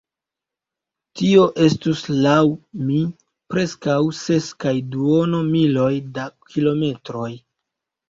Tio estus, laŭ mi, preskaŭ ses kaj duono miloj da kilometroj.